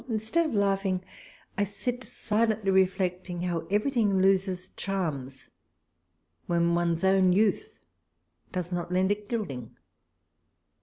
Instead of laughing, I sit silently reflecting how everything loses charms when one's own youth does not lend it gilding!